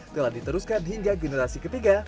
telah diteruskan hingga generasi ketiga